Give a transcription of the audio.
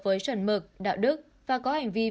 với chuẩn mực đạo đức và có hành vi